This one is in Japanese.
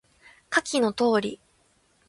下記の通り